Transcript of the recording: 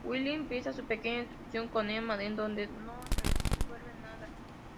Will empieza una pequeña discusión con Emma, en donde no resuelven nada.